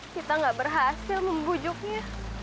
kita nggak berhasil membujuknya